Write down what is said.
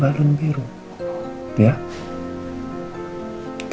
dia akan berubah menjadi wanita baru